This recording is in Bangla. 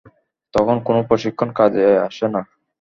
তখন কোন প্রশিক্ষণ কাজে আসে না।